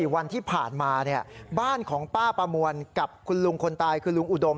วันที่ผ่านมาบ้านของป้าประมวลกับคุณลุงคนตายคือลุงอุดม